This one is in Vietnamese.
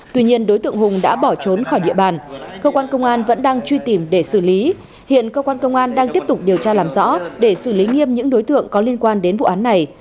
tuy nhiên đối tượng hùng đã bỏ trốn khỏi địa bàn cơ quan công an vẫn đang truy tìm để xử lý hiện cơ quan công an đang tiếp tục điều tra làm rõ để xử lý nghiêm những đối tượng có liên quan đến vụ án này